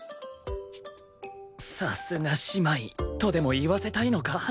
さすが姉妹とでも言わせたいのか？